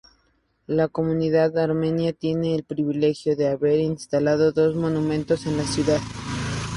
La comunidad armenia tiene el privilegio de haber instalado dos monumentos en la ciudad.